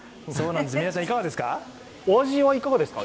皆さんいかがでしたか？